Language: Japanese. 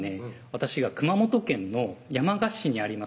私が熊本県の山鹿市にあります